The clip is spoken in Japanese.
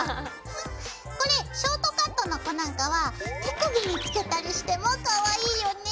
これショートカットの子なんかは手首につけたりしてもかわいいよね。